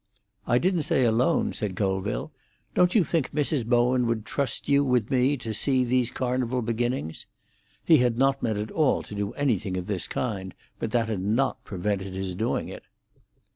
"I didn't say alone," said Colville. "Don't you think Mrs. Bowen would trust you with me to see these Carnival beginnings?" He had not meant at all to do anything of this kind, but that had not prevented his doing it.